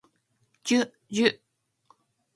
じゅじゅ